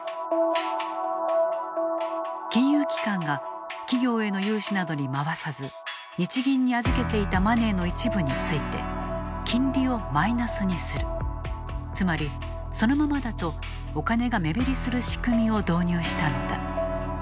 金融機関が企業への融資などに回さず日銀に預けていたマネーの一部について金利をマイナスにするつまり、そのままだとお金が目減りする仕組みを導入したのだ。